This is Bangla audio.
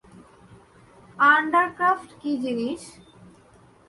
আন্ডারক্রফট কী জিনিস?